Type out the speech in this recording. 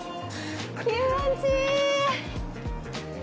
気持ちいい！